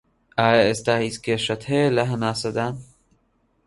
ئایا ئێستا هیچ کێشەت هەیە لە هەناسەدان